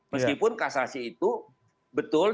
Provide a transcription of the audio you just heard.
meskipun kasasi itu betul